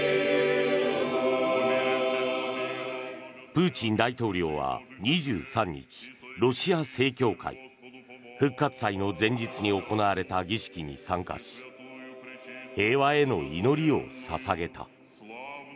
プーチン大統領は２３日ロシア正教会、復活祭の前日に行われた儀式に参加し平和への祈りを捧げた。